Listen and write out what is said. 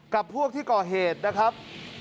กับพวกที่ก่อเหตุนะครับ